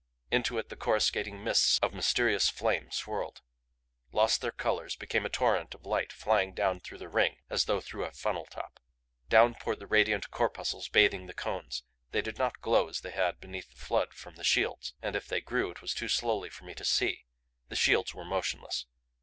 Into it the coruscating mists of mysterious flame swirled; lost their colors, became a torrent of light flying down through the ring as though through a funnel top. Down poured the radiant corpuscles, bathing the cones. They did not glow as they had beneath the flood from the shields, and if they grew it was too slowly for me to see; the shields were motionless.